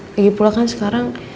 lagipula kan sekarang